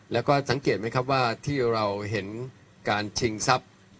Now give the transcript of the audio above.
แล้วก็สังเกตไหมครับว่าที่เราเห็นการชิงทรัพย์